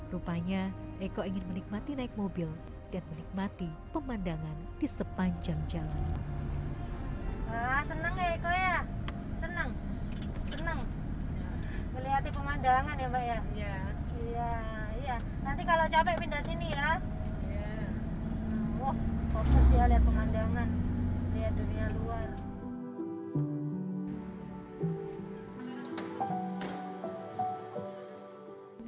rupanya eko ingin menikmati naik mobil dan menikmati pemandangan di sepanjang jalan